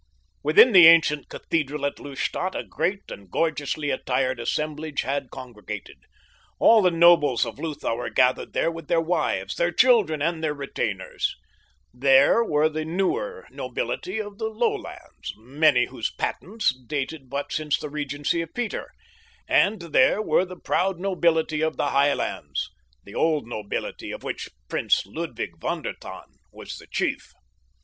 Within the ancient cathedral at Lustadt a great and gorgeously attired assemblage had congregated. All the nobles of Lutha were gathered there with their wives, their children, and their retainers. There were the newer nobility of the lowlands—many whose patents dated but since the regency of Peter—and there were the proud nobility of the highlands—the old nobility of which Prince Ludwig von der Tann was the chief.